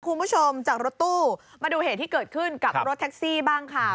คุณผู้ชมจากรถตู้มาดูเหตุที่เกิดขึ้นกับรถแท็กซี่บ้างค่ะ